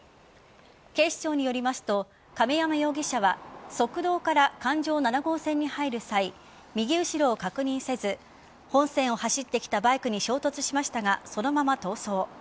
警視庁によりますと亀山容疑者は側道から環状７号線に入る際右後ろを確認せず本線を走ってきたバイクに衝突しましたがそのまま逃走。